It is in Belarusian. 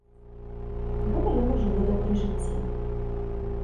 Гэта ён ужо ведаў пры жыцці.